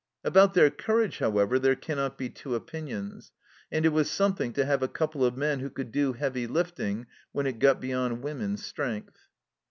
About their courage, however, there cannot be two opinions. And it was something to have a couple of men who could do heavy lifting when it got beyond women's strength.